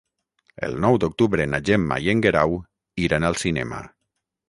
El nou d'octubre na Gemma i en Guerau iran al cinema.